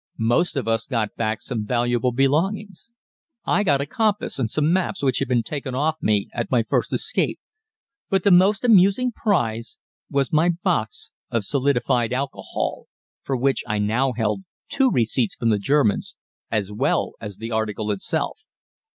Most of us got back some valuable belongings. I got a compass and some maps which had been taken off me at my first escape, but the most amusing prize was my box of solidified alcohol, for which I now held two receipts from the Germans as well as the article itself!